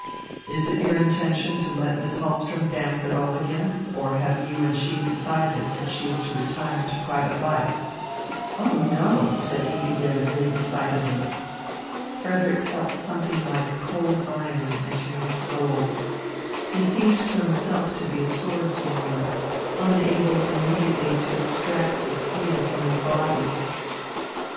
Is it your intention to let Miss Hahlström dance at all again, or have you and she decided that she is to retire to private life?" "Oh, no," said Ingigerd very decidedly. Frederick felt something like cold iron enter his soul. He seemed to himself to be a sword swallower unable immediately to extract the steel from his body.